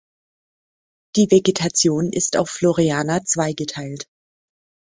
Die Vegetation ist auf Floreana zweigeteilt.